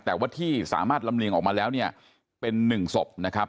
แต่ว่าที่สามารถลำเลียงออกมาแล้วเนี่ยเป็นหนึ่งศพนะครับ